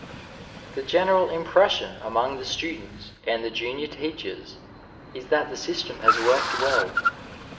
The general impression among the students and the junior teachers is that the system has worked well.